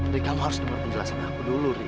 ri kamu harus dengar penjelasan aku dulu ri